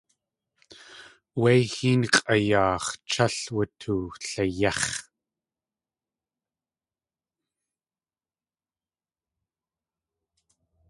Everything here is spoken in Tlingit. Wé héen x̲ʼayaax̲ chál wutuliyéx̲.